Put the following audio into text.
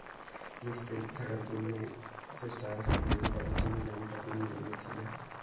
নিশ্চিন্ত থাকার জন্যে, চেষ্টা আর খাটনি না করার জন্যে, যেমনটা তুমি বলেছিলে।